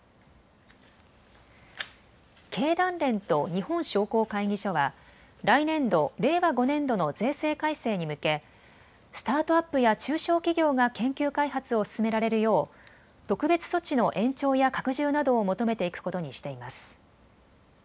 経団連と日本商工会議所は来年度・令和５年度の税制改正に向けスタートアップや中小企業が研究開発を進められるよう特別措置の延長や拡充などを求めていくことにしています。